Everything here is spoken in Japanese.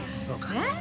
そうか。